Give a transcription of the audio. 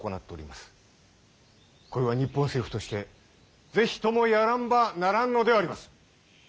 こいは日本政府として是非ともやらんばならんのであります！